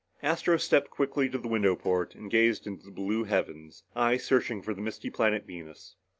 Astro stepped quickly to the window port and gazed into the blue heavens, eyes searching out the misty planet Venus.